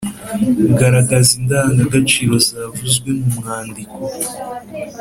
Garagaza indangagaciro zavuzwe mu mwandiko.